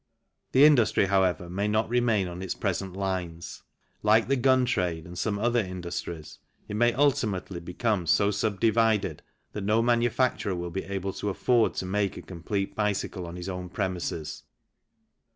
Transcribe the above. The industry, however, may not remain on its present' lines. Like the gun trade and some other industries it may ultimately become so sub divided that no manu facturer will be able to afford to make a complete bicycle on his own premises.